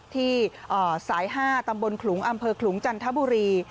ที่สาย๕ตำบลขลุงอำเภอขลุงจันทบุรี